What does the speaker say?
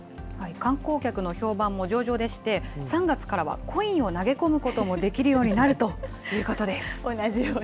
観光客の評判も上々でして、３月からはコインを投げ込むこともできるようになるということで同じように。